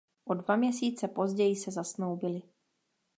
O dva měsíce později se zasnoubili.